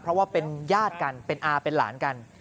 เพราะว่าเป็นญาติกันเป็นอาเป็นหลานกัน